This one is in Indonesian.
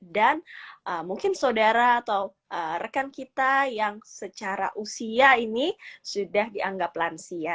dan mungkin saudara atau rekan kita yang secara usia ini sudah dianggap lansia